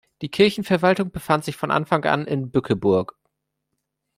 Die Kirchenverwaltung befand sich von Anfang an in Bückeburg.